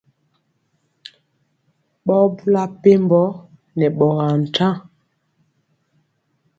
Ɓɔ bula mpembɔ nɛ ɓɔgaa ntaŋ.